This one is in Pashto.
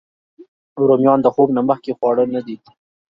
رومیان د خوب نه مخکې خواړه نه دي